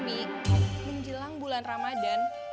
umi menjelang bulan ramadhan